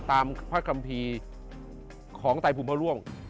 ตามพระกรรมทีของไตน์ภูมิพลร่วง